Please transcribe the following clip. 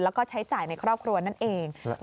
แล้วก็ใช้จ่ายในครอบครัวนั่นเอง